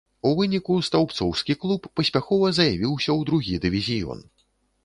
У выніку стаўбцоўскі клуб паспяхова заявіўся ў другі дывізіён.